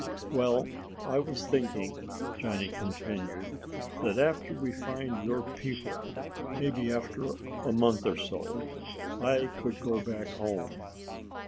"Well, I was thinking," Johnny continued, "that after we find your people, maybe after a month or so, I could go back home.